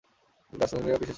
গাসসানীরাও পিছে সরে যায়।